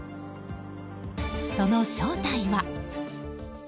その正体は。